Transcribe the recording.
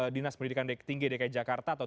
dinas pendidikan dki jakarta atau